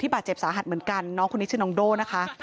บาดเจ็บสาหัสเหมือนกันน้องคนนี้ชื่อน้องโด่นะคะ